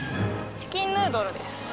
チキンヌードル？